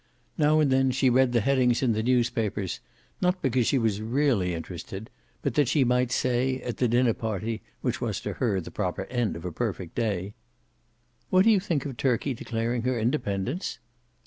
Now and then she read the headings in the newspapers, not because she was really interested, but that she might say, at the dinner party which was to her the proper end of a perfect day: "What do you think of Turkey declaring her independence?"